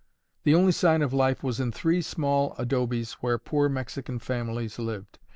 The only sign of life was in three small adobes where poor Mexican families lived.